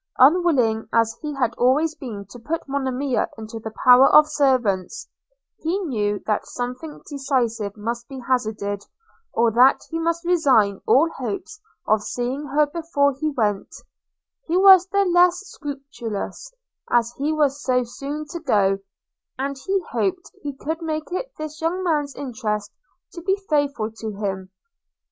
Unwilling as he had always been to put Monimia into the power of servants, he knew that something decisive must be hazarded, or that he must resign all hopes of seeing her before he went: he was the less scrupulous, as he was so soon to go, and he hoped he could make it this young man's interest to be faithful to him.